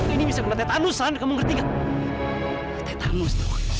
ini bisa kena tetanus san kamu ngerti nggak tetanus tuh